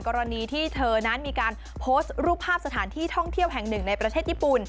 กรณีที่เธอนั้นมีการโพสต์รูปภาพสถานที่ท่องเที่ยวแห่งหนึ่งในประเทศญี่ปุ่น